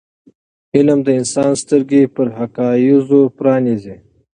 علم د انسان سترګې پر حقایضو پرانیزي.